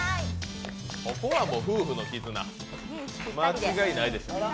ここは夫婦の絆、間違いないでしょう。